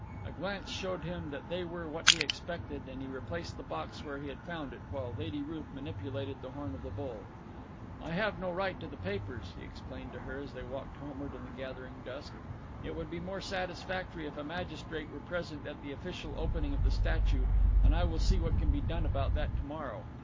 A glance showed him that they were what he expected, and he replaced the box where he had found it, while Lady Ruth manipulated the horn of the bull. "I have no right to the papers," he explained to her, as they walked homeward in the gathering dusk. "It would be more satisfactory if a magistrate were present at the official opening of the statue, and I will see what can be done about that to morrow.